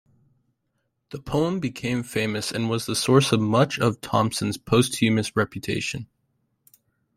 The poem became famous and was the source of much of Thompson's posthumous reputation.